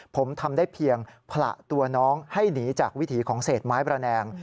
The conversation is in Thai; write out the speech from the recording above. ผมทำได้เพียงผละตัวน้องให้หนีจากวิถีของเศษไม้ประแดง